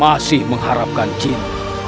masih mengharapkan cinta